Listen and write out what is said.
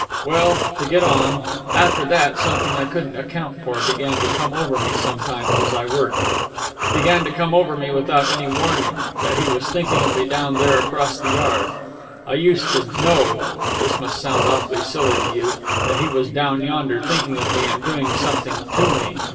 Well (to get on), after that something I couldn't account for began to come over me sometimes as I worked. It began to come over me, without any warning, that he was thinking of me down there across the yard. I used to know (this must sound awfully silly to you) that he was down yonder, thinking of me and doing something to me.